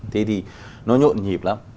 thế thì nó nhộn nhịp lắm